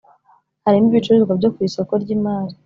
Harimo ibicuruzwa byo ku isoko ry imari